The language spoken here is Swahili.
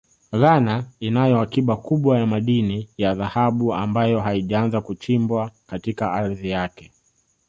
Ghana inayo akiba kubwa ya madini ya dhahabu ambayo haijaanza kuchimbwa katika ardhi yake